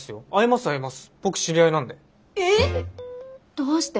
どうして？